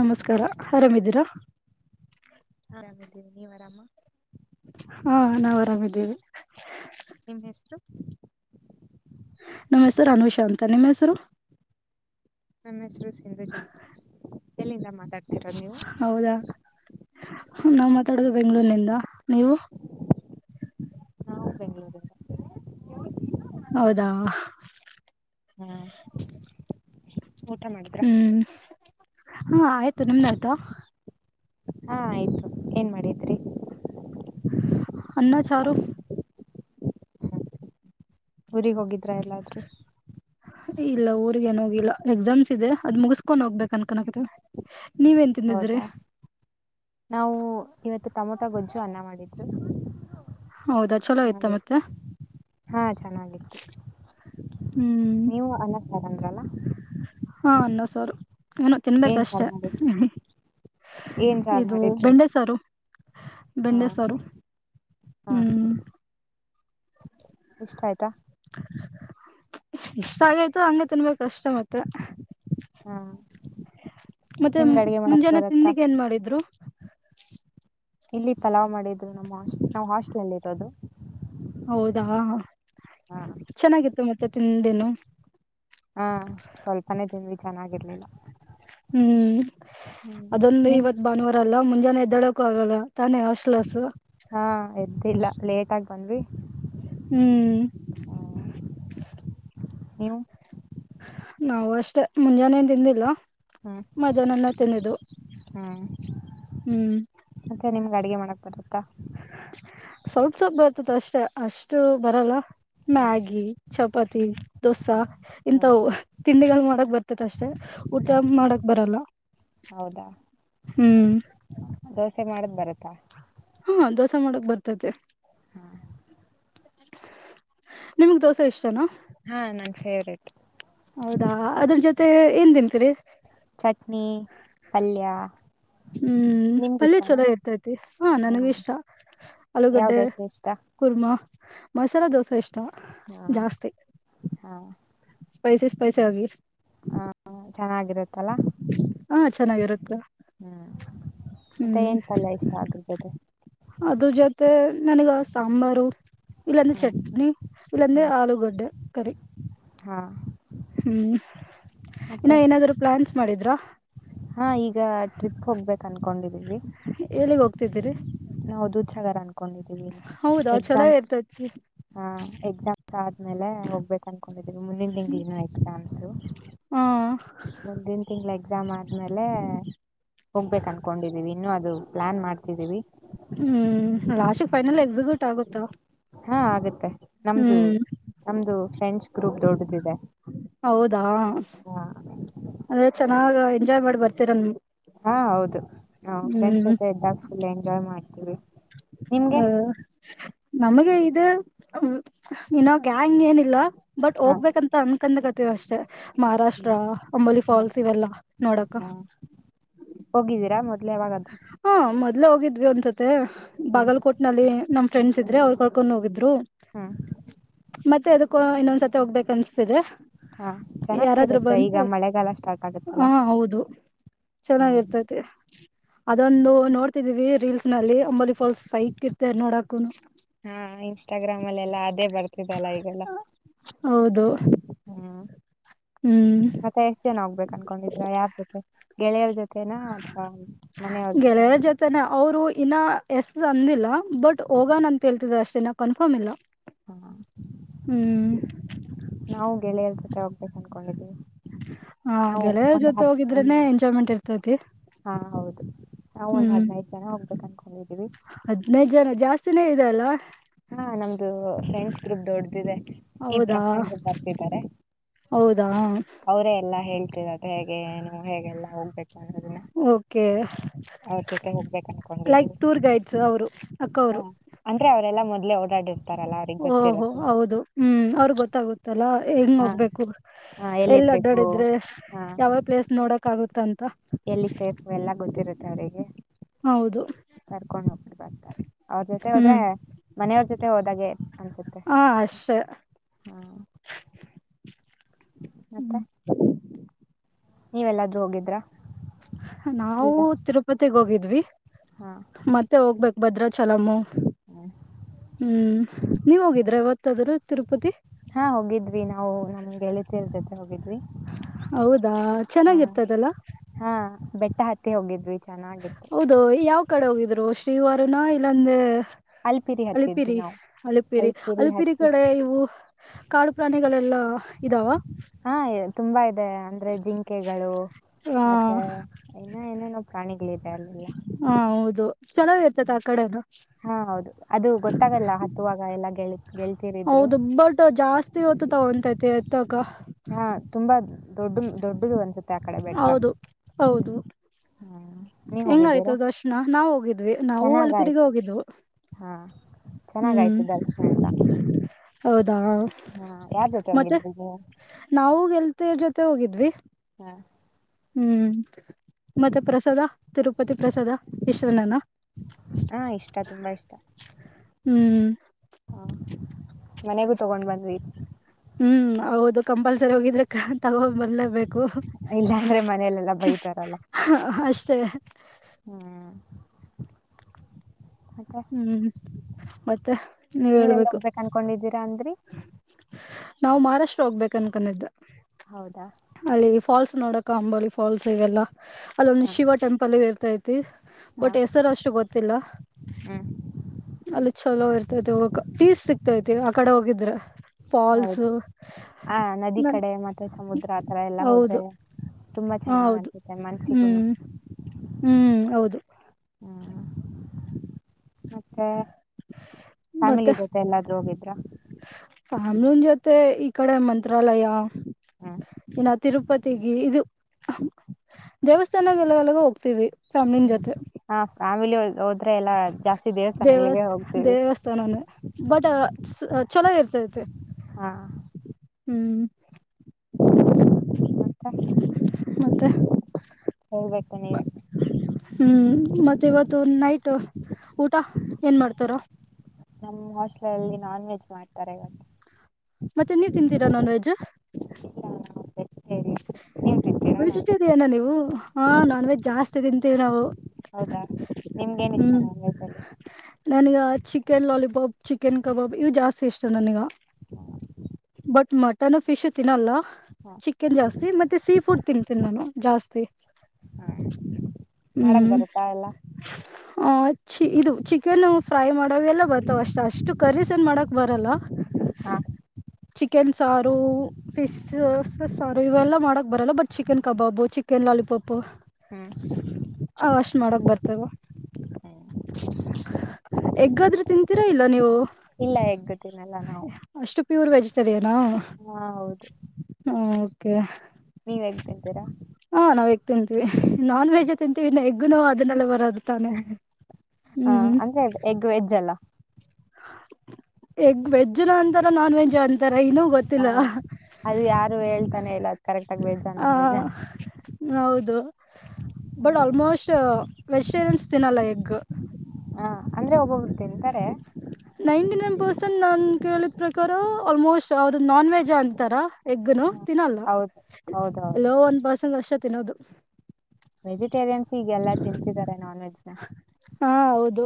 ನಮಸ್ಕಾರ ಆರಾಮಿದ್ದೀರಾ? ಆರಾಮಿದ್ದೀನಿ ನೀವ್ ಆರಾಮ? ಹಾ ನಾವ್ ಆರಾಮಿದ್ದೇವಿ. ನಿಮ್ ಹೆಸರು ನಮ್ಮೆಸರು ಅನುಷ ಅಂತ ನಿಮ್ ಹೆಸರು? ನನ್ ಹೆಸರು ಸಿಂಧುಜಾ ಅಂತ ಎಲ್ಲಿಂದ ಮಾತಾಡ್ ತಿರದ್ ನೀವು? ಹೌದಾ ನಾವ್ ಮಾತಾಡದು ಬೆಂಗ್ಳೂರಿನಿಂದ, ನೀವು? ನಾವು ಬೆಂಗಳೂರಿಂದ ಹೌದಾ? ಹ್ಮ್ ಊಟ ಮಾಡುದ್ರ? ಹಾಂ ಆಯ್ತು ನಿಮ್ದಾಯ್ತ? ಹಾಂ ಆಯ್ತು ಏನ್ ಮಾಡಿದ್ರಿ? ಅನ್ನ ಚಾರು ಊರಿಗ್ ಹೋಗಿದ್ರಾ ಎಲ್ಲಾದ್ರೂ? ಇಲ್ಲ ಊರ್ಗ್ ಏನ್ ಹೋಗಿಲ್ಲ ಎಕ್ಸಾಮ್ಸ್ ಇದೆ, ಅದ್ ಮುಗಿಸ್ಕೊಂಡ್ ಹೋಗ್ಬೇಕ ಅನ್ಕನಕತಿವಿ ನೀವೇನ್ ತಿಂದಿದ್ರಿ ಹೌದಾ ನಾವು ಇವತ್ತು ಟೊಮೊಟೊ ಗೊಜ್ಜು ಅನ್ನ ಮಾಡಿದ್ರು. ಹೌದಾ ಚಲೋ ಆಯ್ತ ಹಾಗೆ ಮತ್ತೆ? ಹಾ ಚೆನ್ನಾಗಿತ್ತು ಹ್ಮ್ ನೀವು ಅನ್ನಸಾರಂದ್ರಲ್ಲ? ಹಾಂ ಅನ್ನ ಸಾರು ಏನೊ ಸಾರ್ ತಿನ್ಬೇಕಷ್ಟೆ, ಮಾಡಿದ್ರು ಏನ್ ಸಾರ್ ಇದು ಮಾಡಿದ್ರು ಬೆಂಡೆಸಾರು ಹಾ ಬೆಂಡೆ ಸಾರು ಹಾ ಹ್ಮ್ ಇಷ್ಟ ಆಯ್ತಾ? ಇಷ್ಟ ಆಗೈತು ಹಂಗೆ ತಿನ್ಬೇಕು ಅಷ್ಟೆ ಮತ್ತೆ ಹಾ ಮತ್ತೆ ನಿಮ್ಗ್ ಅಡ್ಗೆ ಮಾಡಕ್ ಮುಂಜಾನೆ ಬರತ್ತಾ ತಿಂಡಿಗ್ ಏನ್ ಮಾಡಿದ್ರು? ಇಲ್ಲಿ ಪಲಾವ್ ಮಾಡಿದ್ರು ನಮ್ಮಾಸ್ ನಾವ್ ಹಾಸ್ಟ್ಲಲ್ ಇರೋದು. ಹೌದಾ ಹಾ ಚೆನ್ನಾಗಿತ್ತು ಮತ್ತೆ ತಿಂದೇನು ಹಾಂ ಸ್ವಲ್ಪನೇ ತಿಂದ್ವಿ ಚೆನ್ನಾಗಿರ್ಲಿಲ್ಲ. ಹ್ಮ್ ಹ್ಮ್ ಅದೊಂದು ನೀ ಇವತ್ ಭಾನುವಾರ ಅಲ್ಲ ಮ ಮುಂಜಾನೆ ಎದ್ದೋಳುಕು ಆಗಲ್ಲ ತಾನೇ ಹೊಶ್ಲಾರ್ಸು. ಹ ಎದ್ದಿಲ್ಲ ಲೇಟ್ ಆಗ್ ಬಂದ್ವಿ. ಹ್ಮ್ ನೀವು. ನಾವು ಅಷ್ಟೇ ಮುಂಜಾನೆ ಏನ್ ತಿಂದಿಲ್ಲ. ಹ್ಮ್ ಮದಾ ನನ್ ಅದ್ ತಿನದು. ಹ್ಮ್ ಹ್ಮ್ ಅಕ್ಕ ನಿಮ್ಗ್ ಅಡ್ಗೆ ಮಾಡಕ್ ಬರುತ್ತಾ. ಸ್ವಲ್ಪ್ ಸ್ವಪ್ ಬರ್ತತ್ ಅಷ್ಟೆ ಅಷ್ಟು ಬರಲ್ಲ ಹ್ಮ್ ಮ್ಯಾಗಿ ಚಪಾತಿ ದೋಸಾ. ಹ್ಮ್ ಹ್ಮ್ ಇಂತವು. ತಿಂಡಿಗಳ್ ಮಾಡಕ್ ಬರ್ತತ್ ಅಷ್ಟೇ ಊಟ ಹ್ಮ್ ಮಾಡಕ್ ಬರಲ್ಲ. ಹೌದಾ. ಹ್ಮ್ ದೋಸೆ ಮಾಡದ್ ಬರುತ್ತಾ ಹು ದೋಸಾ ಮಾಡಕ್ ಬರ್ತತ್ತೆ. ನಿಮಿಗ್ ದೋಸ ಇಷ್ಟನ. ಹಾ ನನ್ ಫೇವ್ರೇಟ್. ಹೌದಾ ಅದ್ರಲ್ ಜೊತೆ ಏಲ್ ತಿಂತೀರಿ. ಚಟ್ನಿ ಪಲ್ಯ ಹ್ಮ್ ನಿಮ್ಗೆ ಪಲ್ಯ ಇಷ್ಟನಾ ಚಲೋ ಇರ್ತೈತಿ ಹ ನನಗ್ ಹ್ಮ್ ಇಷ್ಟ ಯಾವ ಆಲೂಗಡ್ಡೆ ದೋಸೆ ಇಷ್ಟ ಕುರ್ಮಾ. ಮಸಾಲ ದೋಸೆ ಇಷ್ ಟ ಹಾ ಜಾಸ್ತಿ. ಹಾ ಸ್ಪೈಸಿ ಸ್ಪೈಸಿ ಆಗಿ. ಹಾ ಹಜ್ ಚೆನ್ನಾಗಿರುತ್ತಲ್ಲ ಹಾ ಚೆನ್ನಾಗಿರುತ್ತೆ ಹಾ ಮತ್ತೆ ಹ್ಮ್ ಏನ್ ಪಲ್ಯ ಇಷ್ಟ ಅದ್ರ ಜೊತೆ. ತ್ತೆ ನನಿಗ ಸಾಂಬಾರು. ಇಲ್ಲಂದೆ ಹ್ಮ್ ಚಟ್ನಿ ಇಲ್ಲಂದೆ ಹ್ಮ್ ಆಲೂಗಡ್ಡೆ. ಕರಿ. ಹಾ ಹ್ಮ್ ಇನ್ನ ಮತ್ತೆ ಏನಾದ್ರು ಪ್ಲಾನ್ಸ್ ಮಾಡಿದ್ರ. ಹಾ ಈಗ ಟ್ರಿಪ್ ಹೋಗ್ಬೇಕ್ ಅನ್ಕೊಂಡಿದೀವಿ. ಎಲ್ಲಿಗ್ ಹೋಗ್ತಿದ್ದೀರಿ ನಾವು ದುದ್ ಸಾಗರ್ ಅಂ ಕೊಂಡಿದೀನಿ ಅ ಹೌದಾ ಚಲೋ ಎಕ್ಸಾಮ್ಸ್ ಇರ್ತೈತಿ ಹ ಎಕ್ಸಾಮ್ಸ್ ಅದ್ಮೇಲ್ ಅಮೇಲೆ ಹೋಗ್ಬೇಕು ಅನ್ಕೊಂಡಿದೀವಿ ಮುಂದಿನ ತಿಂಗ್ಳಿ ಇನ್ನು ಎಕ್ಸಾಮ್ಸು. ಹಾ ಮುಂದಿನ್ ತಿಂಗ್ಳ್ ಎಕ್ಸಾಮ್ ಆದ್ಮೇಲೆ. ಹೋಗ್ಬೇಕ್ ಅನ್ಕೊಂಡಿದ್ದೀವಿ ಇನ್ನು ಅದು ಪ್ಲಾನ್ ಮಾಡ್ತಿದ್ದೀವಿ. ಹ್ಮ್ ಲಾಸಿಗ್ ಫೈನಲ್ ಎಕ್ಸಿಕ್ಯೂಟ್ ಆಗುತೊ. ಹಾ ಆಗುತ್ತೆ. ನಮ್ದು ನಮ್ದು ಫ್ರೆಂಡ್ಸ್ ಗ್ರೂಪ್ ದೊಡ್ಡದಿದೆ ಹೌದಾ ಹ. ಅದೇ ಚೆನ್ನಾಗ ಎಂಜಾಯ್ ಮಾಡ ಬರ್ತೀರ ನೀವು ಹಾ ಹೌದು ನಾ್ ಫ್ರೆಂಡ್ಸ್ ಹ್ಮ್ ಜೊತೆ ಇದ್ದಾಗ ಫುಲ್ ಎಂಜಾಯ್ ಮಾಡ್ಿ ಹ [inaudible] ಹ್ಮ ನಮ್ಗೆ ಇದು ಇನ್ನೋ ಗ್ಯಾಂಗ್ ಏನಲ್ವಾ ಬಟ್ ಹಾ ಹೋಗ್ಬೇಕಂತ ಅನ್ ಕಂದ ಕತ ಅಷ್ಟೇ ಮಹಾರಾಷ್ಟ್ರ ಹ್ಮ್ ಅಂಬೋಲಿ ಹ್ಮ್ ಫಾಲ್ಸ್ ಇವೆಲ್ಲಾ ನೋಡಕ ೇವಾಗಾದ ಎಲ್ಲ ಹೋಗಿದ್ವಿ ಒಂದಸತ್ ಬಾಗಲ್ಕೋಟ್ ನಲ್ಲಿ ನಮ್ಮ್ ಫ್ರೆಂಡ್ಸ್ ಇದ್ರೆ ಅವ್ರ ಹ್ಮ್ [unintelligible] ಮತ್ತೆ ಅದು [unintelligible] ಇನ್ನೊಂದ್ಸತಿ ಹೋಗ್ಬೇಕಕ್ ಅನ್ಸ್ತಿದೆ ಹಾ ಯಾರಾದ್ರೂ ಚೆನ್ನಾಗಿರುತ್ತೆ ಈಗ ಬಂದೆ ಮಳೆಗಾಲ ಸ್ಟಾರ್ಟ್ ಆಗುತ್ತಲ್ಲ ಹಾ ಹೌದು ಹ್ಮ್ ಚೆನ್ನಾಗಿರ್ತೈತಿ ಅದೊಂದು ನೋಡ್ತಿದೀವಿ ರೀಲ್ಸ್ ನಲ್ಲಿ ಅಂಬಲಿ ಫಾಲ್ಸ್ ಸೈಕ್ ಇರ್ತ ನೋಡಕನು ಹಾ ಇನ್ಸ್ಟಾಗ್ರಾಮ್ ಅಲ್ಲೆಲ್ಲಾ ಅದೇ ಬರ್ತಿದಲ್ಲ ಈಗೆಲ್ಲ ಹೌದು ಹ್ಮ್ ಹ್ಮ್ ಮತ್ತೆ ಎಷ್ಟು ಜನ ಆಗ್ಬೇಕು ಕನ್್ಕೊಂಡಿದ್ರ ಯಾರ್ ಜೊತೆ ಗೆಳೆಯರ ಜೊತೆನಾ ಅಥ್ವಾ ಗೆಳೆಯರ ಜೊತೆನ ಅವ್ರು ಇನ್ನ ಎಸ್ ಅಂದಿಲ್ಲ ಬಟ್ ಹೋಗೋಣ ಅಂತ ಹೇಳ್ತಿದ್ರ ಅಷ್ಟೇನ್ನ ಕನ್ಫರ್ಮ್ ಇಲ್ಲ ಹಾ ಹ್ಮ್ ನಾವು ಗೆಳೆಯರ ಜೊತೆ ಹೋಗ್ಬೇಕು ಅನ್ಕೊಂಡಿದೀವಿ ಹಾ ನಾವು ಗೆಳೆಯರ ಒಂದು ಜೊತೆ ಹಾ ಹೋಗಿದ್ರೆನೆ ಎಂಜಾಯ್ಮೆಂಟ್ ಇರ್ತೈತಿ. ಹೌದು ಹಾ ಒಂದ್ ಹದ್ೈ್ು ಜನ ಹೋಗ ಕ ಕ [inaudible] ಹದ್ಿನೈದು ಜನ ಜಾಸ್ತಿ ನೇ ಇದೆ ಅಲ್ಲಾ ಹಾ ನಮ ಫ್ರೆಂಡ್ಸ್ ಗ್ರೂಪ್ ದೊಡ್ದಿದೆ ಈ ಹೌದಾ ಪ್ರಕರಣ ಬರ್ತಿದ್ದಾರೆ ಹೌದಾ ಅವರೇ ಎಲ್ಲಾ ಹೇಳ್ತರದು ಹೇಗೆ ಏನು ಹೇಗೆಲ್ಲ ಹೋಗ್ಬೇಕು ಅನ್ನೋದನ್ನ ಓಕೆ ಅವ್ರ ಜೊತೆ ಹೋಗ್ಬೇಕ ಲೈಕ್ ಟೂರ್ ಗೈಡ್ಸ್ ಅವರು ಅಕ್ಕ ಹ್ಮ ಅವರು. ಅಂದ್ರೆ ಅವ ಎಲ್ಲ ಮೊದಲೇ ಓಡಾಡ ಓಹೋ ಹೌದು ಹ್ಮ್ ಅವ್ರ ಗೊತ್ತಾಗುತ್ತಲ್ಲಾ ಹೆಂಗ ಹಾ ಹೋಗ್ಬೇಕು ಹಾ ಎಲ್ಲಿ ಎಲ್ಲಿರ್ಬೇಕು ಅಡ್ಡಾಡಿದ್ರೆ ಹಾ ಯಾವ ಪ್ಲೇಸ್ ನೋಡಕ್ ಆಗುತ್ತೆ ಎಲ್ಲಿ ಸೇಪು ಎಲ್ಲ ಗೊತ್ತಿರುತ್ತೆ ಅವರಿಗೆ ಹೌದು ಕರ್ಕೊಂಡೋಗಬಟ್ಟು ಬರ್ತಾರೆ ಅವ್ರ ಜೊತೆ ಹೋದ್ರೆ ಹ್ಮ್ ಮನೆಯವ್ರ ಜೊತೆ ಹೋದಾಗೆ ಅನ್ಸುತ್ತೆ ಹ ಅಷ್ಟೇ ಹಾ ಮತ್ತೆ ಹ್ಮ್ ನೀವೆಲ್ಲಾದ್ರೂ ಹೋಗಿದ್ರ ನಾವು ತಿರುಪತಿಗೆ ಹೋಗಿದ್ವಿ ಹಾ ಮತ್ತೆ ಹೋಗ್ಬೇಕು ಭದ್ರಚಲಮ್ಮ ಹ್ಮ್. ಹ್ಮ್ ನೀವು ಹೋಗಿದ್ರೆ ಇವತ್ತು ಹಾ ಹೋಗಿದ್ವಿ ನಾವು ನಮ್ಮ ಗೆಳತಿಯರ್ ಜೊತೆ ಹೋಗಿದ್ವಿ ಹೌದಾ ಹಾ ಚೆನ್ನಾಗಿರ್ತದಲ್ಲ ಹಾ ಬೆಟ್ಟ ಹತ್ತಿ ಹೋಗಿದ್ವಿ ಚೆನ್ನಾಗಿತ್ತು ಹೌದು ಯಾವ ಕಡೆ ಹೋಗಿದ್ರು ಶ್ರೀವಾರನ ಇಲ್ಲಂದ ಅಲ್ಪಿರಿ ಹತ್ತಿದ್ವಿ ಅಳಪಿರಿ ನಾವು ಅಳಪಿರಿ ಅಲ್ಪಿರಿ ಅಲಿಪಿರಿ ಹತ್ತಿ ಕಡೆ ಇವು ಕಾಡು ಪ್ರಾಣಿಗಳೆಲ್ಲಾ ಇದಾವ ಹಾ ಇ- ತುಂಬಾ ಅ ಅಂದ್ರೆ ಜಿಂಕೆಗಳು ಹ ಮತ್ತೆ ಇನ್ನ ಏನೇನೋ ಪ್ರಾಣಿಗಳಿದೆ ಅಲ್ಲಿ ಚೆನ್ನಾಗಿ ಇರ್ತತೆ ಆ ಕಡೆನ ಹೌದು ಅದು ಗೊತ್ತಾಗಲ್ಲ ಹತ್ತುವಾಗ ಎಲ್ಲ ಗೆಳ ಗೆಳತಿಯರಿದ್ರು ಹೌದು ಬಟ್ ಜಾಸ್ತಿ ಹೊತತ ಒಂತೈತಿ ಎತ್ತಾಗ ಹಾ ತುಂಬಾ ದೊಡ್ಡ ದೊಡ್ಡದು ಅನ್ಸುತ್ತೆ ಆ ಕಡೆ ಬೆಟ್ಟ ಹೌದು ಹ್ಮ್ ನೀವ್ ಹೆಂಗಾಯ್ತು ಹೋಗಿದ್ದೀರಾ ದರ್ಶನ ನಾವ್ ಹೋಗಿದ್ದ ನಾವು ಅಲಪಿರಿಗೆ ಚೆನ್ನಾಗಾಯ್ತು ಹೋಗಿದ್ದ್ವು ಹಾ ಹ್ಮ್ ಚೆನ್ನಾಗಾಯ್ತು ದರ್ಶನ ಎಲ್ಲ [unintelligible] ಹೌದು ಹಾ ಹಾ ಯಾರ್ ಜೊತೆ ಮತ್ತೆ ಹೋಗಿದ್ರಿ ನೀವು ನಾವು ಎಲ್ ಇವರು ಜೊತೆ ಹೋಗಿದ್ವಿ ಹ ಹ್ಮ್ ಮತ್ತೆ ಪ್ರಸಾದ ತಿರುಪತಿ ಪ್ರಸಾದ ವಿಶ್ವನಾನ ಹಾ ಇಷ್ಟ ತುಂಬಾ ಇಷ್ಟ ಹ್ಮ್ ವಿ ಹ್ಮ್ ಹೌದು ಕಂಪಲ್ಸರಿ ಹೋಗಿದ್ರೆ ತಗೋ ಬರ್ಲೇಬೇಕು ಇಲ್ಲಾಂದ್ರೆ ಮನೇಲೆಲ್ಲಾ ಬೈತಾರಲ್ಲ ಅಷ್ಟ ಸ ಹ್ಮ್ ಮತ್ತೆ ಹ್ಮ್ ಮತ್ತೆ ನೀವ್ ನೀವೆಲ್ಲ ಹೇಳ್ಬೇಕು ಹೋಗ್ಬೇಕು ಅನ್ಕೊಂಡಿದ್ದೀರಾ ಅಂದ್ರಿ ನಾವು ಮಹಾರಾಷ್ಟ್ರ ಹೋಗ್ಬೇಕ ಅನ್ಕೊಂಡಿದ್ದ ಹೌದಾ ಅಲ್ಲಿ ಫಾಲ್ಸ್ ನೋಡ ಕಾಮವಿಫಾಲಲ್ಸ್ ಈ ಎಲ್ಲ ಅಲ್ಲೊಂದು ಹಾ ಶಿವ ಟೆಂಪಲ್ ಗೆ ಇರ್ತಾ ಇತ್ತು ಹಾ ಬಟ್ ಹೆಸರು ಅಷ್ಟು ಗೊತ್ತಿಲ್ಲ ಹ್ಮ್ ಅಲ್ಲಿ ಚಲೋ ಇರ್ತೈತಿ ಹೋಗಕ್ ಪೀಸ್ ಸಿಕ್ತೈತಿ ಆ ಕಡೆ ಹೋಗಿದ್ರ ಹೌದು ಆ ನದಿ ಕಡೆ ಮತ್ತೆ ಸಮುದ್ರ ಆತರ ಎಲ್ಲ ಹೋದ್ರೆ ಹೌದು ತುಂಬಾ ಹ ಚೆನ್ನಾಗ ಹೌದು ಅನ್ಸುತ್ತೆ ಮನ್ಸಿಗೂನು ಹ್ಮ್ ಹ್ಮ್ ಹೌದು ಹ್ಮ್ ಮತ್ತೆ ಮತ್ತೆ ಫ್ಯಾಮಿಲಿ ಜೊತೆ ಎಲ್ಲಾದ್ರೂ ಹೋಗಿದ್ರ ಫ್ಯಾಮ್ಲಿನ್ ಜೊತೆ ಈ ಕಡೆ ಮಂತ್ರಾಲಯ ಹ್ಮ್ ಇನ್ನ ತಿರುಪತಿಗೆ ಇದು. ದೇವಸ್ಥಾನದ ಎಲ್ಲ ಎಲಗ ಹೋಗ್ತೀವಿ. ಫ್ಯಾಮಿಲಿ ಜೊತೆ. ಫಾಮಿ. [unintelligible] ಹತ್ರ ಎಲ್ಲಾ ಜಾಸ್ತಿ ದೇವ ದೇವಸ್ಥಾನಗಳಿಗೆ ಹೋಗ್ತೀವಿ. ಚೆನ್ನಾಗಿ ಇರ್ತೈತೆ. ಹಾ ಹ್ಮ್. ಮತ್ತೆ. ಮತ್ತೆ. ಹೇಳ್ಬೇಕು ನೀವೇ ಹ್ಮ್ ಮತ್ತೆ ಇವತ್ತು ನೈಟ್ ಊಟ ಏನ್ ಮಾಡ್ತಾರ. ನಮ್ ಹಾಸ್ಟ್ಲಲ್ಲಿ ನಾನ್ ವೆಜ್ ಮಾಡ್ತಾರೆ ಇವತ್ತು. ಮತ್ತೆ ನೀವ್ ತಿಂತೀರಾ ನಾನ್ ವೆಜ್ಜ್. ಸ್ಮ ನಿ. ವೆಜಿಟೇರಿಯನ ನೀವು ಹಾ ನಾನ್ ವೆಜ್ ಜಾಸ್ತಿ ತಿಂತೀವಿ ನಾವು. ಹೌದಾ ನಿಮ್ಗೇನ್ ಇಷ್ಟ ಹ್ಮ್ ನೈಸಲ್ಲಿ. ನನಗ ಚಿಕನ್ ಲಾಲಿಪಾಪ್ ಚಿಕನ್ ಕಬಾಬ್ ಇ ಜಾಸ್ತಿ ಇಷ್ಟ ನನಗ ಬಟ್ ಮಟನ್ ಫಿಶ್ ತಿನ್ನಲ್ಲ ಹಾ ಚಿಕನ್ ಜಾಸ್ತಿ ಮತ್ತೆ ಸೀ ಫುಡ್. ತಿಂತೀನ್ ನಾನು ಜಾಸ್ತಿ. ಹಾ ಮಾಡಕ್ ಹ್ಮ್ ಬರತ್ತಾ ಎಲ್ಲ. ಚ ಇದು ಚಿಕನ್ ಫ್ರೈ ಮಾಡೋವೆೆಲ್ಲ ಬರ್ತಾವ ಅಷ್ಟ ಅಷ್ಟು ಕರೀಸ್ ಏನ್ ಮಾಡಕ್ ಬರಲ್ಲ ಹಾ ಚಿಕನ್ ಸಾರು ಫಿಶ್ ಸಾರು ಇವೆಲ್ಲ ಮಾಡಕಕ್ ಬರಲ್ಲ but. Chicken kebab chicken lollipop ಹ್ಮ್ ಆ ಅಷ್ಟ್ ಮಾಡಕ್ ಬರ್ತವ ಎಗ್ಗಾದ್ರೂ ತಿಂತೀರಾ ಇಲ್ಲ ನೀವು. ಇಲ್ಲ ಎಗ್ ತಿನ್ನಲ್ಲ ನಾವು. ಸರಿ ಹಾ ಹೌದು. ಹು ಓಕೆ. ನೀವ್ ಎಗ್ ತಿಂತಿರಾ. ಹಾ ನಾವ್ ಎಗ್ ತಿಂತೀವಿ ನಾನ್ ವೆಜೆ ತಿಂತೀವಿ ಇನ ಎಗ್ಗುನು ಅದನ್ನಲ್ ಬರದ್ ಹ ಅಂದ್ರೆ ಎಗ್ ವೆಜ್ಜ್ ಅಲ್ಲ. ಎಗ್ ವೆಜ್ನು ಅಂತರ ನಾನ್ ವೆಜ್ ಅಂತರ ಇನ್ನು ಗೊತ್ ಹಾ ಅದು ಯಾರು ಹೇಳ್ ತಾನೆ ಇಲ್ಲ ಅದ್ ಕರೆಕ್ಟ್ ಆಗಿ ವೆಜ್ಜಾ ಹ ನಾನ್ ವೆಜ್ಜಾ ಹೌದ್ ದು ಬಡ್ ಹ್ಮ್ ಆಲ್ಮೋಸ್ಟು ವೆಜಿಟೇರಿಯನ್ಸ್ ತಿನ್ನಲ್ಲ ಎಗ್. ಹ ಅಂದ್ರೆ ಒಬ್ಬೊಬ್ಬರು ತಿಂತಾರೆ. ಪರ್ಸನ್ ನಾನ್ ಕೇಳಿದ್ ಪ್ರಕಾರ ಆಲ್ಮೋಸ್ಟ್ ಅವ್ರು ನಾನ್ ವೆಜ್ ಅಂತಾರ ಎಗ್ನು. ತಿನ್ನಲ್ಲ ಹೌದು ಹೌದೌದು ಎಲ್ಲೋ ಒಂದ್ ಪರ್ಸನ್ ಅಷೆ ತಿನೋದು. ವೆಜಿಟೇರಿಯನ್ಸ್ ಈಗ್ ಎಲ್ಲಾ ತಿನ್ತಿದಾರೆ. ಹಾ ಹೌದು.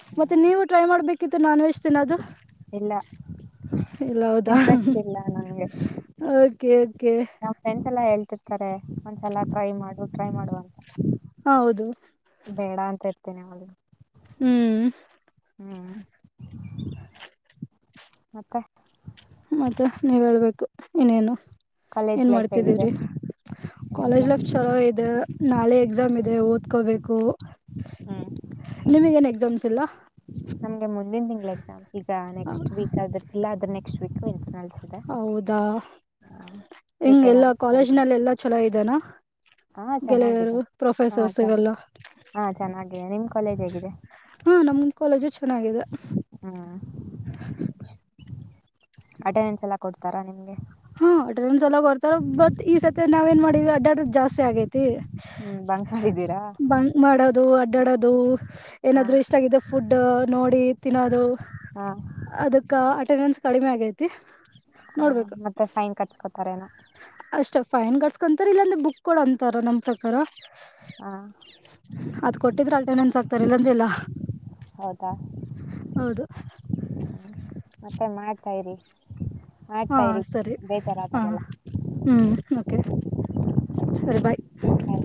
ನ ಮತ್ತೆ ನೀವು ಟ್ರೈ ಮಾಡ್ಬೇಕಿತ್ತು ನಾನ್ ವೆಜ್ ತಿನ್ನೋದು. ಇಲ್ಲ ಇಲ್ಲ ಹೌದಾ ಇಂಟ್ರೆಸ್ಟ್ ಇಲ್ಲ ನಂಗೆ ಓಕೆ ಓಕೆ ನಮ್ ಫ್ರೆಂಡ್ಸ್ ಎಲ್ಲ ಹೇಳ್ ತಿರ್ತರೆ. ಒಂದ್ಸಲ ಟ್ರೈ ಮಾಡು ಟ್ರೈ ಮಾಡು ಅಂತ. ಹ ಹೌದು. ಬೇಡ ಅಂತ ಇ- ತಿನಿ ಯಾವಾಗ್ಲೂ. ಹ್ಮ್ ಮತ್ತೆ. ಮತ್ತ ನೀವ್ ಹೇಳ್ಬೇಕು ಇನ್ನೇನು. ಕಾಲೇಜ್ ಏನ್ ಲೈಫ್ ಹೇಗಿದೆ ಮಾಡ್ತಿದೀರಿ ಕಾಲೇಜ್ ಏನಿಲ್ಲ ಲೈಫ್ ಚಲೋ ಇದೆ. ನಾಲೆ ಎಕ್ಸಾಮ್ ಇದೆ ಓದ್ಕೋಬೇಕು ಹ್ಮ್ ನಿಮಿಗ್ ಏನ್ ಎಕ್ಸಾಮ್ಸ್ ಇಲ್ಲ. ನಮ್ಗೆ ಮುಂದಿನ್ ತಿಂಗ್ಳ್ ಎಕ್ಸಾಮ್ಸ್. ಈಗ ನೆಕ್ಸ್ಟ್ ವೀಕ್ ಆದೆ ಇಲ್ಲ ಅದ್ರ್ ನೆಕ್ಸ್ಟ್ ವೀಕ್ ಇನ್ ನಲ್ಸಿದೆ ಹೌದಾ ಹೆಂಗ್ ಪ್ರಿಪೇರ್ ಎಲ್ಲಾ ಆಗ್ತ ಇದೀನಿ ಕಾಲೇಜ್ನಲ್ಲಿ ಎಲ್ಲಾ ಚಲೋ ಇದೇನಾ ಹ ಗೆಳೆಯರು ಚೆನ್ನಾಗಿದೆ ಹ ಪ್ರೊಫೆಸರ್ಸ್ ಚೆನ ಇವೆಲ್ಲ ಹ ಚೆನ್ನಾಗಿದೆ ನಿಮ್ ಕಾಲೇಜ್ ಹೇಗ್ ಹ ಹ ನಮ್ ಕಾಲೇಜು ಚೆನ್ನಾಗಿದೆ ಹ್ಮ್ ಅಟೆಂಡೆನ್ಸ್ ಎಲ್ಲಾ ಕೊಡ್ತಾರಾ ನಿಮ್ಗೆ ಹಾ ಟ್ರೈನ್ ಸ ಎಲ ಹೊರ್ತಾರ ಬತ್ ಈ ಸತಿ ನಾವ್ ಏನ್ ಮಾಡಿವವಿ ಅಡ್ಡಡ್ ಜಾಸ್ತಿ ಆಗೇತಿ ಹ್ಮ್ ಬಂಕ್ ಮಾಡಿದ್ದೀರಾ ಬಂಕ್ ಮಾಡೋದು ಅದಾಡದ್ದು ಹಾ ಏನಾದ್ರು ಇಷ್ಟ ಆಾಗಿದೆ ಫುಡ್ ನೋಡಿ ತಿನದು ಹಾ ಅದಕ್ಕ ಅಟನ್ಸ್ ಕಡಿಮೆ ಆಗೈತಿ ಹಾ ನೋಡ್ಬೇಕು ಮತ್ತೆ ಫೈನ್ ಕಡಿಸ್ಕೊತಾರೇನೋ ಅಷ್ಟ ಫೈನ್ ಕಸ್ಕೊಂತಾರ ಇಲ್ಲಾಂದ್ರೆ ಬುಕ್ ಕ ಅಂತಾರ ನಮ್ ಪ್ರಕಾರ ಹಾ ಅದ್ ಕೊಟ್ಟಿದ್ರಲ್ಟೆ ನೆನ್ಸಕ್ತಾರೆ ಇಲ್ಲಂದ ಇಲ್ಲ ಹೌದಾ ಹೌದು ಮತ್ತೆ ಮ ಹಾ ಸರಿ ಹಾ ಬೇಜಾರಾದಾಗೆಲ್ಲ ಹ್ಮ್ ಕೆ ಸರಿ ಬಾಯ್ ಆಯ್ತಾ.